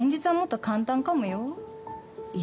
現実はもっと簡単かもよ。